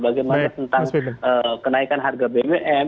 bagaimana tentang kenaikan harga bbm